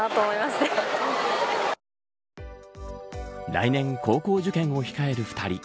来年、高校受験を控える２人。